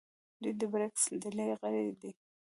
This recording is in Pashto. دوی د بریکس ډلې غړي دي.